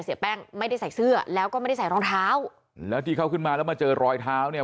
เสียแป้งไม่ได้ใส่เสื้อแล้วก็ไม่ได้ใส่รองเท้าแล้วที่เขาขึ้นมาแล้วมาเจอรอยเท้าเนี่ย